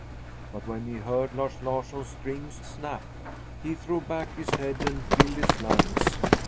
But when he heard Lars Larsson's strings snap, he threw back his head and filled his lungs.